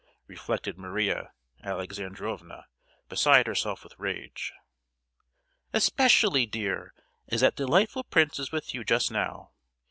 reflected Maria Alexandrovna, beside herself with rage. "Especially, dear, as that delightful prince is with you just now.